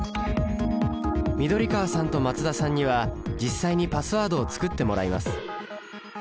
緑川さんと松田さんには実際にパスワードを作ってもらいます。